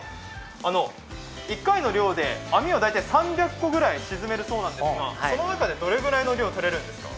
１回の漁で網を大体３００個ぐらい沈めるそうなんですがその中でどれぐらいの量、とれるんですか？